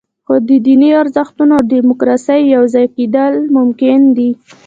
خو د دیني ارزښتونو او دیموکراسۍ یوځای کېدل ممکن دي.